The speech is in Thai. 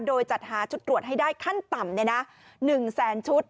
โดยจัดหาชุดตรวจให้ได้ขั้นต่ำ๑แสนชุด